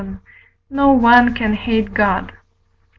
no one can hate God.